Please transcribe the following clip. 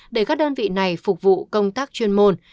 để các đơn vị này phục vụ công tác chuyên môn